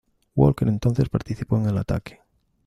Walker entonces participó en el ataque.